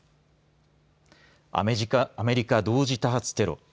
アメリカ同時多発テロ。